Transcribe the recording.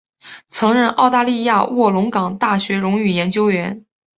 曾任澳大利亚卧龙岗大学荣誉研究员。